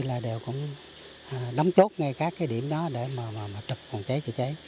là đều cũng đóng chốt ngay các cái điểm đó để mà trực phòng cháy cho cháy